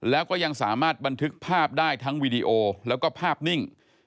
แล้วก็ยังสามารถบันทึกภาพได้ทั้งวีดีโอแล้วก็ภาพนิ่ง